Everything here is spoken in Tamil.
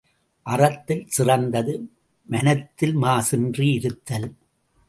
அறத்தில் சிறந்தது மனத்தில் மாசின்றி இருத்தல்.